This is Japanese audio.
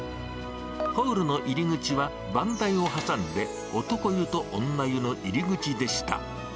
ホールの入り口は、番台を挟んで男湯と女湯の入り口でした。